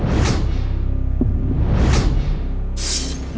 จะหมดอายุในประชาชน